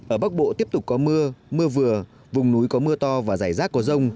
ở bắc bộ tiếp tục có mưa mưa vừa vùng núi có mưa to và rải rác có rông